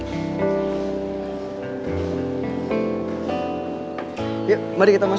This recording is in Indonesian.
katanya sih dia lagi deket sama sakti